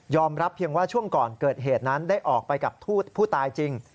รับเพียงว่าช่วงก่อนเกิดเหตุนั้นได้ออกไปกับผู้ตายจริง